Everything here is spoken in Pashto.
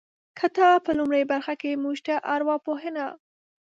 کتاب په لومړۍ برخه کې موږ ته ارواپوهنه